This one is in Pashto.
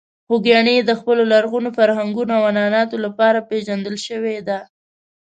خوږیاڼي د خپلو لرغونو فرهنګونو او عنعناتو لپاره پېژندل شوې ده.